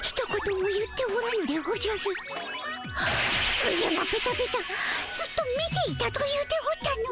そういえばペタペタずっと見ていたと言うておったの。